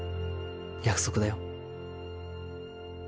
約束だよ